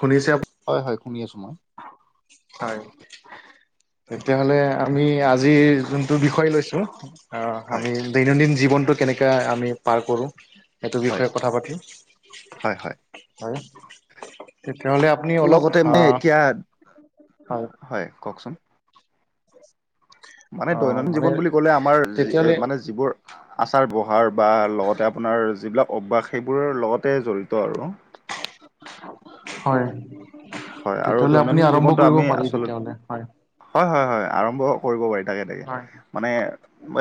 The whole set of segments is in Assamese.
শুনিছে? হয়, হয়, শুনি আছোঁ মই। হয়। তেতিয়াহলে আমি আজিৰ যোনটো বিষয় লৈছো অ, হয় আমি দৈনন্দিন জীৱনটো কেনেকে আমি পাৰ কৰো? সেইটো হয় বিষয়ে কথা পাতিম, হয় হয় হয়। তেতিয়াহ'লে আপুনি অলপ লগতে মই আহ এতিয়া, হয় কওঁকচোন। মানে অ দৈনন্দিন মানে জীৱন বুলি ক'লে আমাৰ যি তেতিয়াহ'লে মানে যিবোৰ আচাৰ - ব্যৱহাৰ বা লগতে আপোনাৰ যিবিলাক অভ্যাস সেইবোৰৰ লগতে জড়িত আৰু। হয়। হয় আৰু তেতিয়াহ'লে আপুনি দৈনন্দিন আৰম্ভ জীৱনটো কৰিব আমি পাৰি আচলতে তেতিয়াহলে হয়। হয় হয় হয়, আৰম্ভ কৰিব পাৰি তাকে তাকে হয় মানে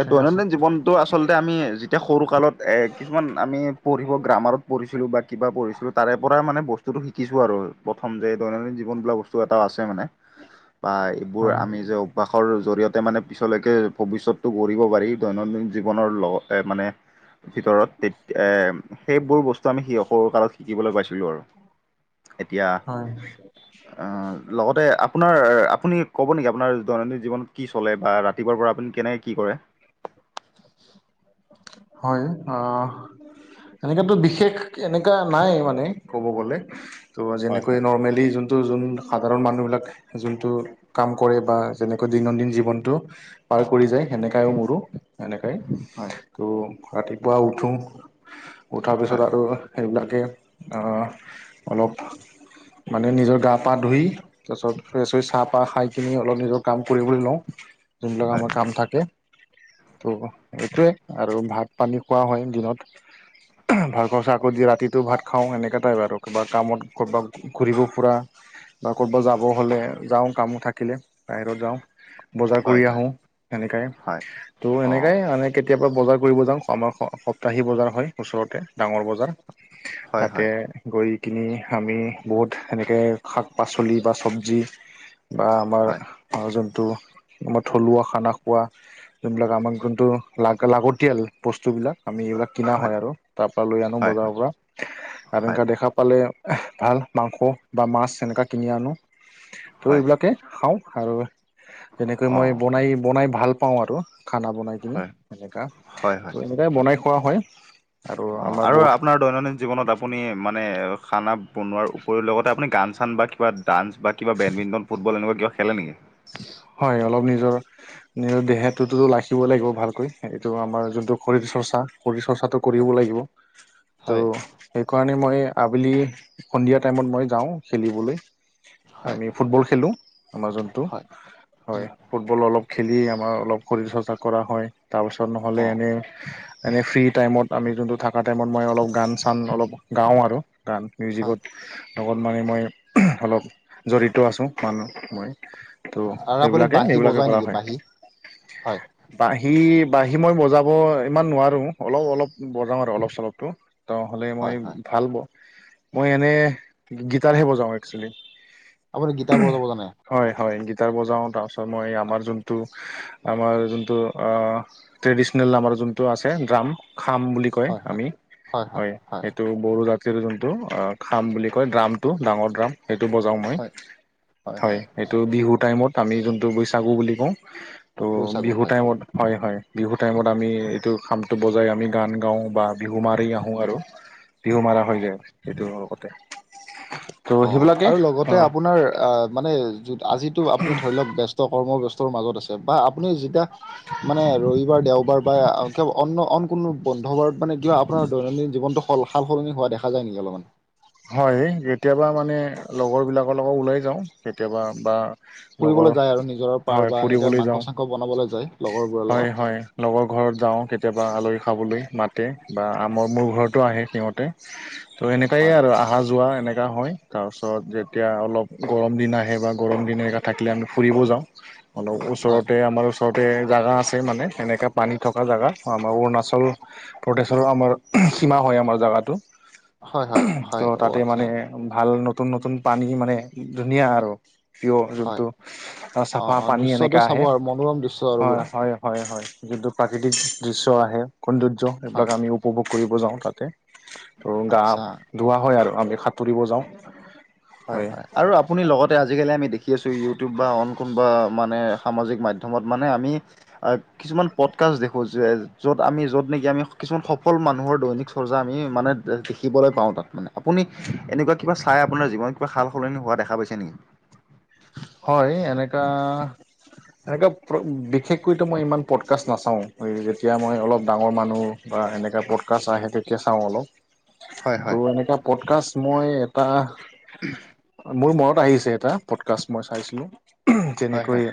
এ ঠিক আছে দৈনন্দিন জীৱন তো আচলতে আমি যেতিয়া সৰুকালত এ কিছুমান আমি পঢ়িব গ্ৰামাৰত পঢ়িছিলোঁ বা কিবা পঢ়িছিলো তাৰে পৰাই মানে বস্তুটো শিকিছোঁ আৰু প্ৰথম যে দৈনন্দিন জীৱনবিলাক বস্তু এটা আছে মানে বা এইবোৰ হয় আমি যে বাসৰ জৰিয়তে মানে পিছলৈকে ভৱিষ্যতটো গঢ়িব পাৰি দৈনন্দিন জীৱনৰ লগ এ মানে ভিতৰত তেত এ সেইবোৰ বস্তু আমি সি সৰু কালত শিকিবলৈ পাইছিলোঁ আৰু। এতিয়া হয় অ লগতে আপোনাৰ আপুনি ক'ব নেকি আপোনাৰ দৈনন্দিন জীৱনত কি চলে বা ৰাতিপুৱাৰ পৰা আপুনি কেনেকে কি কৰে? হয় অ সেনেকাটো বিশেষ এনেকা নাই মানে ক'ব গ'লে, ত' হয় যেনেকৈ হয়। নৰ্মেলি যোন ত যোন সাধাৰণ মানুহবিলাক যোনটো কাম কৰে বা যেনেকৈ দৈনন্দিন জীৱনটো পাৰ কৰি যায় সেনেকাই আৰু মোৰো সেনেকাই। হয়। তো ৰাতিপুৱা উঠো, উঠাৰ পিছত আৰু সেইবিলাকে অ অলপ মানে নিজৰ গা পা ধুই তাৰপিছত ফ্ৰেছ হৈ চাহ - পাহ খাই কিনি অলপ নিজৰ কাম কৰিবলৈ লওঁ যোনবিলাক হয় আমাৰ কাম থাকে ত' এইটোৱে। আৰু ভাত - পানী খোৱা হয় দিনত। উহু, ভাত খৰচা আগত দি ৰাতিটো ভাত খাওঁ এনেকা টাইপ আৰু কিবা কামত কৰ'বাত ঘূৰিব ফুৰা বা ক'ৰবাত যাব হ'লে যাওঁ কামো থাকিলে বাহিৰত যাওঁ। বজাৰ কৰি হয় হয় হয় আহোঁ সেনেকাই, হয় ত' অঁ এনেকাই আনেক কেতিয়াবা বজাৰ কৰিব যাওঁ আমাৰ স সপ্তাহী বজাৰ হয় ওচৰতে ডাঙৰ বজাৰ। হয় তাতে হয় গৈ কিনি আমি বহুত সেনেকৈ শাক - পাচলি বা চবজি বা আমাৰ হয় অ যোনটো বা থলুৱা খানা খোৱা যোনবিলাক আমাক যোনটো লাগ লাগতিয়াল বস্তুবিলাক আমি এইবিলাক কিনা হয় আৰু তাৰ পৰা লৈ আনো হয় হয় বজাৰৰ পৰা। আৰু হয় এনেকা দেখা পালে এহ ভাল মাংস বা মাছ এনেকা কিনি আনো ত' হয় এইবিলাকে খাওঁ আৰু যেনেকৈ মই অঁ বনাই বনাই ভাল পাওঁ আৰু খানা বনাই কিনি হয় হয় সেনেকা, হয় হয় ত এনেকাই হয় বনাই খোৱা হয়। আৰু অ' আমাৰ আৰু বহুত আপোনাৰ দৈনন্দিন জীৱনত আপুনি মানে খানা বনোৱাৰ উপৰিও লগতে আপুনি গান - চান বা কিবা ডাঞ্চ বা কিবা বেডমিণ্টন, ফুটবল এনেকুৱা কিবা খেলা নেকি? হয়, অলপ নিজৰ নিজৰ দেহাটোতো ত ৰাখিব লাগিব ভালকৈ এইটো আমাৰ যোনটো শৰীৰ চৰ্চা, শৰীৰ চৰ্চা তো হয়, কৰিব লাগিব হয়, ত' সেইকাৰণে মই আবেলি সন্ধিয়া টাইমত মই যাওঁ খেলিবলৈ। হয়, আমি ফুটবল খেলোঁ, আমাৰ যোনটো হয়, হয়, উম, ফুটবল অলপ খেলি আমাৰ অলপ শৰীৰ চৰ্চা কৰা হয় তাৰপাছত নহ'লে অ', এনেই এনেই ফ্ৰী টাইমত আমি যোনটো থাকা টাইমত মই অলপ গান - চান অলপ গাওঁ আৰু গান হয়, মিউজিকত লগত মানে মই অলপ জড়িত আছোঁ মানুহ মই ত' আৰু আপুনি সেইবিলাকে বাঁহী এইবিলাকে বজায় কৰা নেকি হয়। বাঁহী? হয়, বাঁহী-বাঁহী মই বজাব ইমান নোৱাৰো, অলপ-অলপ বজাওঁ আৰু অলপ চলপতো। তহ'লে মই হয়, হয়, ভাল ব মই এনে গিটাৰহে বজাওঁ একচুৱেলি। আপুনি গীটাৰ বজাব জানে? হয়-হয় গিটাৰ বজাওঁ তাৰপিছত মই আমাৰ যোনটো আমাৰ যোনটো ট্ৰেডিচনেল নামৰ যোনটো আছে ড্ৰাম খাম বুলি কয় আমি হয়। তটো বড়ো জাতীৰ যোনটো খাম বুলি কয় ড্ৰামটো ডাঙৰ ড্ৰাম। সেইটো বজাওঁ মই হয়, হয়। সেইটো বিহুৰ টাইমত ত আমি যোনটো বৈছাগু বুলি কওঁ ত' বৈশাগু বিহু হয়। টাইমত হয়- হয়। বিহু টাইমত আমি এইটো খামটো বজাই আমি গান গাওঁ বা বিহু মাৰি আহোঁ আৰু। বিহু মাৰা হৈ যায় সেইটো লগতে। ত' অ', সেইবিলাকে আৰু অ লগতে আপোনাৰ আহ মানে য আজিটো আপুনি ধৰি লওঁক ব্য কৰ্মব্যস্তৰ মাজত আছে বা আপুনি জিতা, মানে ৰবিবাৰ দেওবাৰ বা অন্য অন কোনো বন্ধ বাৰত মানে কিবা আপোনাৰ দৈনন্দিন জীৱনটো স সাল-সলনি হোৱা দেখা যায় নেকি অলপমান? হয়। যেতিয়াবা মানে লগৰবিলাকৰ লগত ওলাই যাওঁ কেতিয়াবা বা, লগৰ ফুৰিবলৈ যায় আৰু নিজৰৰ পাৰ হয়, বা এনেকে ফুৰিবলৈ যাওঁ মাংস চাংস বনাবলৈ যায় লগৰবোৰৰ লগত হয়-হয়। লগৰ ঘৰত যাওঁ কেতিয়াবা আলহী খাবলে মাতে বা আমাৰ মোৰ ঘৰতো আহে সিহঁতে। ত' এনেকাঁ হয় ইয়াত আহা যোৱা এনেকুৱা হয়। তাৰপিছত যেতিয়া অলপ গৰম দিন আহে বা গৰম দিন থাকিলে আমি ফুৰিব যাওঁ। অলপ হয়। ওচৰতে আমাৰ ওচৰতে জাগা আছে মানে, এনেকে পানী থকা জাগাত আমাৰ অৰুণাচল ফটেশ্বৰৰ আমাৰ সীমা হয় আমাৰ জাগাটো। হয়-হয়। ত' তাতে মানে ভাল নতুন-নতুন পানী মানে ধুনীয়া আৰু। পিয়ৰ হয় যোনটো অ' চাফা অ' পানী দৃশ্যটো এনেকা চাব আহে আৰু মনোৰম দৃশ্য আৰু পুৰা হয়-হয়। হয়-হয়। যোনটো প্ৰাকৃতিক দৃশ্য আহে সৌন্দৰ্য হয় এইবিলাক আমি উপভোগ কৰিব যাওঁ তাতে। আৰু গা আচ্ছা ধুওৱা হয় আৰু আমি সাঁতুৰিব যাওঁ। হয় হয়-হয়, আৰু আপুনি লগতে আজিকালি আমি দেখি আছোঁ। ইউটিউব বা অন কোনোবা মানে সামাজিক মাধ্যমত মানে আমি, কিছুমান পডকাষ্ট দেখো, যে, য'ত আমি য'ত নেকি আমি কিছুমান সফল মানুহৰ দৈনিক সৰজা আমি মানে দেখিবলৈ পাওঁ তাত মানে। আপুনি, এনেকুৱা কিবা চাই আপোনাৰ জীৱনত কিবা সাল- সলনি হোৱা দেখা পাইছে নেকি? হয়। এনেকা-এনেকা বিশেষকৈটো মই ইমান পডকাষ্ট নাচাওঁ যেতিয়া মই অলপ ডাঙৰ মানুহ বা এনেকা পডকাষ্ট আহে তেতিয়া চাওঁ অলপ। হয় হয় ত' এনেকা, পডকাষ্ট মই এটা মোৰ মনৰত আহিছে এটা পডকাষ্ট মই চাইছিলোঁ। হয় যেনেকৈ, হয়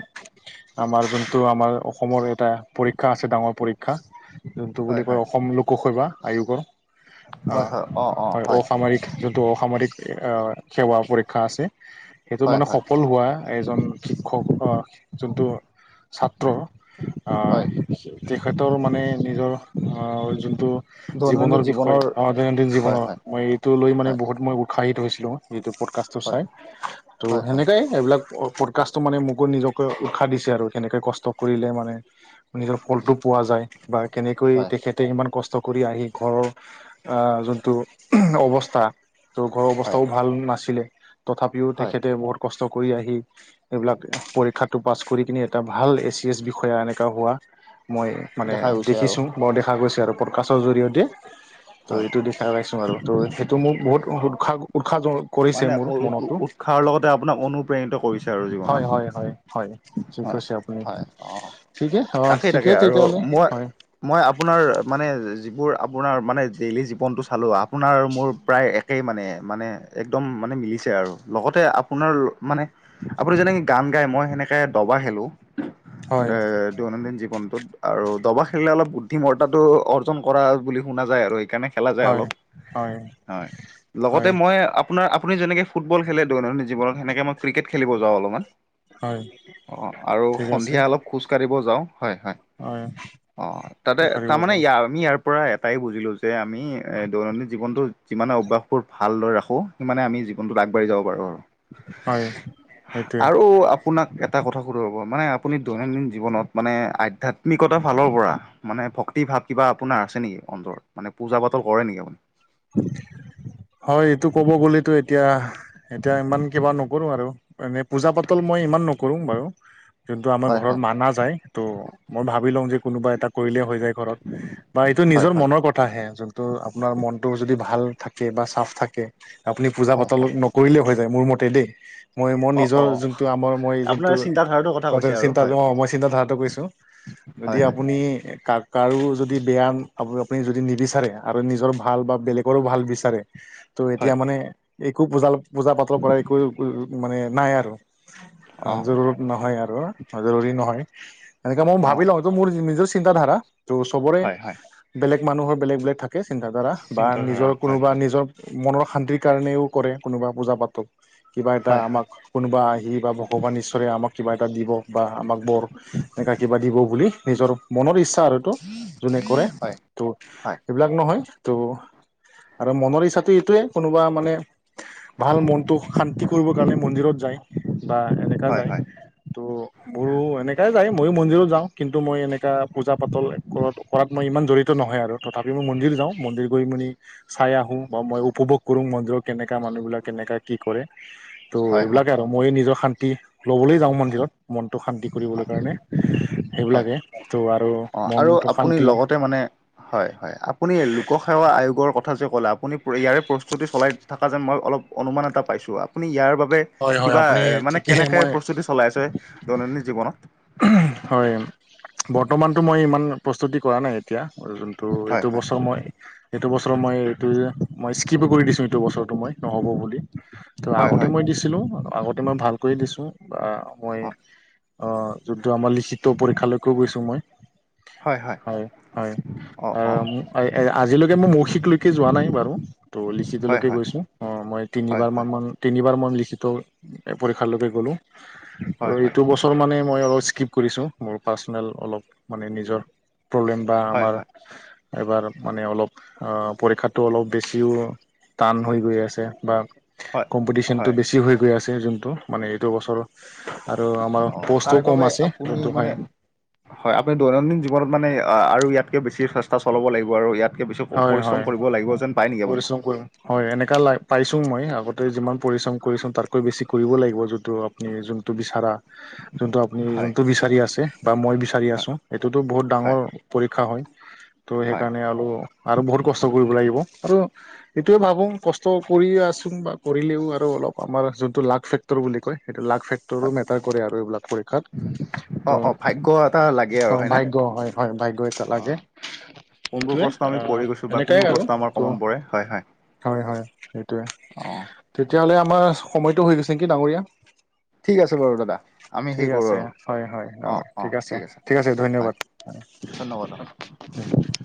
আমাৰ যোনটো আমাৰ অসমৰ এটা পৰীক্ষা আছে ডাঙৰ পৰীক্ষা, যোনটো বুলি হয় হয় কয় অসম লোকসেৱা আয়োগৰ। হয় আহ, হয় অ অ হয় অসামৰিক যোনটো অসামৰিক অ' সেৱা পৰীক্ষা আছে। সেইটো হয় মানে হয় সফল হোৱা আয়োজন শিক্ষক অ' জোনটো ছাত্ৰ আ, হয়। তেখেতৰ মানে নিজৰ আ, যোনটো জীৱনৰ বিষয় অ' দৈনন্দিন হয় জীৱনৰ হয় মই সেইটো লৈ মানে হয় বহুত মই উৎসাহিত হৈছিলোঁ। যিটো পডকাষ্টটো হয় চাই ত' হয় হয় সেনেকাই এইবিলাক পডকাষ্টটো মানে মোকো নিজকে উৎসাহ দিছে আৰু কেনেকে কষ্ট কৰিলে মানে নিজৰ ফলটো পোৱা যায় বা কেনেকৈ তেখেত হয় তেখেতে ইমান কষ্ট কৰি আহি ঘৰৰ, আ, যোনটো অৱস্থা। ত' ঘৰৰ হয় অৱস্থাও ভাল নাছিলে। তথাপিও হয় তেখেতে বহুত কষ্ট কৰি আহি এইবিলাক পৰীক্ষাটো পাছ কৰি কিনে এটা ভাল এ চি এছ বিষয়া এনেকা হোৱা মই মানে দেখা গৈছে আৰু দেখিছোঁ বৰ দেখা গৈছে আৰু পডকাষ্টৰ জৰিয়তে। ত' হয় এইটো দিখা পাইছোঁ আৰু ত' সেইটো মোক বহুত উৎসাহ উৎসাহ কৰিছে মোৰ মনতো। তাৰ লগতে আপোনাক অনুপ্ৰেণিত কৰিছে আৰু হয় হয় জীৱনত। হয় হয়। ঠিক হয় কৈছে আপুনি, হয় অ'। ঠিকে অ', তাকেই ঠিকে তাকে আৰু তেতিয়াহ'লে মই হয়। মই আপোনাৰ মানে যিবোৰ আপোনাৰ মানে ডেইলি জীৱনটো চালোঁ। আপোনাৰ আৰু মোৰ প্ৰায় এক একেই মানে মানে একদম মানে মিলিছে আৰু লগতে আপোনাৰ মানে আপুনি যেনেকে গান গাই। মই সেনেকে দবা খেলো হয় এ দৈনন্দিন জীৱনটোত আৰু দবা খেলিলে, অলপ বুদ্ধিমত্তাটো অৰ্জন কৰা বুলি শুনা যায় আৰু সেইকাৰণে খেলা যায় হয় অলপ। হয় হয়, লগতে হয় মই আপ আপোনাৰ আপুনি যেনেকে ফুটবল খেলে দৈনন্দিন জীৱনত সেনেকে মই ক্ৰিকেট খেলিব যাও অলপমান। হয় অ', আৰু ঠিক আছে সন্ধিয়া অলপ খোজ কাঢ়িব যাওঁ হয়, হয়, অ', তাতে পাৰিব তাৰমানে যায় আমি ইয়াৰ পৰা এটাই বুজিলোঁ যে আমি দৈনন্দিন জীৱনটো যিমানে অভ্যাস বোৰ ভালদৰে ৰাখো সিমানে আমি জীৱনটোত আগবাঢ়ি যাব পাৰো। হয় সেইটোৱে আৰু আপোনাক এটা কথা সোধোঁ ৰ'ব মানে আপুনি দৈনন্দিন জীৱনত মানে আধ্যাত্মিকতাৰ ফালৰ পৰা। মানে ভক্তি ভাৱ কিবা আপোনাৰ আছে নেকি অন্তৰত মানে পূজা-পাতল কৰে নেকি আপুনি? হয়, এইটো ক'ব গ'লেতো এতিয়া এতিয়া ইমান কিবা নকৰো আৰু। এনেই পূজা-পাতল মই ইমান নকৰোঁ বাৰু যোনটো আমাৰ হয় ঘৰত হয় মানা যায়। ত' মই ভাবি লওঁ যে কোনোবা এটা কৰিলে হৈ যায় ঘৰত বা এইটো হয় নিজৰ হয় মনৰ কথা হে যোনটো আপোনাৰ মনটো যদি ভাল থাকে বা চাফ থাকে আপুনি হয় পূজা-পাতল হয়। নকৰিলে হৈ যায় মোৰ মতে দেই। মই মোৰ অ' নিজৰ অ' যোনটো আমাৰ মই আপোনাৰ যোনটো চিন্তাধাৰাটোৰ কৈছে কথা আৰু চিন্তা হয় মই চিন্তাধাৰা কৰিছো। যদি হয় হয়। আপুনি কা-কাৰো যদি বেয়া আপুনি যদি নিবিচাৰে আৰু নিজৰ ভ ভাল বা বেলেগৰো ভাল বিচাৰে ত' এতিয়া হয় মানে একো পূজা পূজা-পাতল কৰা একো মানে নাই আৰু অ জৰু নহয় আৰু জৰুৰী নহয়, এনেকে মই অ ভাবি লওঁ এইটো মোৰ নিজৰ চিন্ত ধাৰা। ত' চবৰে হয় হয় বেলেগ মানুহৰ বেলেগ বেলেগ থাকে চিন্ত ধাৰা বা চিন্তাধাৰা নিজৰ হয় কোনোবা হয় নিজৰ মনৰ শান্তিৰ কাৰণেও কৰে কোনোবা পূজা পাতো কিবা এটা হয় হয়। আমাক কোনোবা আহি বা ভগৱান ঈশ্বৰে আমাক কিবা এটা দিব বা আমাক বৰ এনেুৱা কিবা দিব বুলি নিজৰ মনৰ ইচ্ছা আৰু। যোনে কৰে হয় ত' হয় এইবিলাক নহয়। ত' আৰু মনৰ ইচ্ছাটো এইটোৱে কোনোবা মানে ভাল মনটো শান্তি কৰিবৰ কাৰণে মন্দিৰত যায় বা এনেকা হয় যায়। হয় ত' মোৰো এনেকাই যায় মইো মন্দিৰত যাওঁ কিন্তু মই এনেকা পূজা-পাতল কৰাটো কৰাত মই ইমান জড়িত নহয় আৰু তথাপি মই মন্দিৰ যাওঁ মন্দিৰ গৈ মুনি চাই আহোঁ বা মই উপভোগ কৰোঁ মন্দিৰত কেনেকা মানুহবিলাক কেনেকা কি কৰে। ত' হয় হয় এইবিলাকে আৰু মই নিজৰ শান্তি ল'বলৈ যাওঁ মন্দিৰত মনটো শান্তি কৰিবলৈ হয় কাৰণে। হয় সেইবিলাকে ত' আৰু মনটো শান্তি তে মানে হয় হয়, আপুনি লোকসেৱা আয়োগৰ কথা যে কলা, আপুনি ইয়াৰে প্ৰস্তুতি চলাই থকা যেন মই অলপ অনুমান এটা পাইছোঁ, আপুনি ইয়াৰ বাবে হয় হয় কিবা আপুনি এ মানে ঠিকেই কেনেকে মই প্ৰস্তুতি চলাই আছ, দৈনন্দিন জীৱনত? হয় বৰ্তমানটো মই ইমান প্ৰস্তুতি কৰা নাই এতিয়া, যো টো, ' হয় এইটো হয় বছৰ মই এইটো বছৰ মই এইটো মই স্কিপ কৰি দিছোঁ এইটো বছৰটো মই নহ'ব বুলি। তো হয় আগতে হয় মই দিছিলোঁ, আগতে মই ভালকৈয়ে দিছোঁ, আ মই অ অ যোনটো আমাৰ লিখিত পৰীক্ষালৈকো গৈছো মই। হয় হয়, অ আজিলৈকে মই মৌখিকলৈকে যোৱা নাই বাৰু, ত হয় লিখিতলৈকে হয় গৈছো, অ মই হয় তিনিবাৰ মান হয় মান তিনিবাৰ মই লিখিত পৰীক্ষালৈকে গ'লোঁ, হয় ত হয় এইটো বছৰ মানে মই অলপ স্কিপ কৰিছোঁ, মোৰ পাৰ্চনেল অলপ মানে নিজৰ প্ৰব্লেম বা হয় আমাৰ হয় এবাৰ মানে অলপ অ পৰীক্ষাটো অলপ বেছিও টান হৈ গৈ আছে বা হয় কম্পিটিশ্যনটো হয় বেছি হৈ গৈ আছে যোনটো মানে এইটো বছৰত আৰু আমাৰ অ পষ্টো তাৰে কম বাবে আছে, আপুনি যোনটো হয় মানে হয় আপুনি দৈনন্দিন জীৱনত মানে আৰু ইয়াতকৈ বেছি চেষ্টা চলাব লাগিব আৰু ইয়াত কে বেছি হয় হয় পৰিশ্ৰম কৰিব লাগিব যেন পায় নেকি আপুনি? পৰিশ্ৰম কৰিম হয় এনেককা লাইফ পাইছো মই আগতে যিমান পৰিশ্ৰম কৰিছো তাতকৈ বেছি কৰিবই লাগিব যোনটো আ যোনটো বিচাৰা, যোনটো আপুনি হয় যোনটো বিচ বিচাৰি আছে বা মই বিচাৰি হয় আছোঁ সেইটোতো বহুত হয়। ডাঙৰ পৰীক্ষা হয়। তো' হয় সেইকাৰণে আৰু আৰু বহুত কষ্ট কৰিব লাগিব। আৰু এইটো ভাবোং কষ্ট কৰিয়ে আছোং বা কৰিলেও আৰু অলপ আমাৰ যোনটো লাকফেক ক্টৰ বুলি কয়, সেইটো লাক ফেক্টৰো হয় মেটাৰ কৰে আৰু এইবিলাক পৰীক্ষাত। ত অ অ ভাগ্য এটা লাগে আৰু অ' হয়নে? ভাগ্য হয় হয় ভাগ্য এটা অ লাগে, কোনবোৰ সেইটোৱে প্ৰশ্ন আমি পঢ়ি গৈছো অ' বা এনেকাই কোনবোৰ আৰু প্ৰশ্ন আমাৰ তো, কমন পৰে হয় হয় হয় হয় সেইটোৱে। অ তেতিয়াহ'লে আমাৰ সময়টো হৈ গৈছে নেকি ডাঙৰীয়া? ঠিক আছে বাৰু দাদা, আমি ঠিক সেই কৰোঁ আছে আৰু হয়, হয় ডাঙৰীয়া অ' অ' ঠিক আছে ধন্যবাদ। হয়। ধন্যবাদ অ'। [unintelligible]